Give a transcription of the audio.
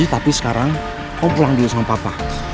tapi sekarang kamu pulang dulu sama papa